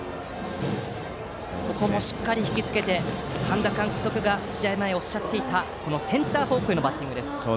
ここもしっかり引きつけて半田監督が試合前におっしゃっていたセンター方向へのバッティング。